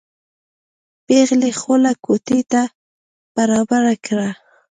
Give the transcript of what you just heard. پېغلې خوله کوټې ته برابره کړه.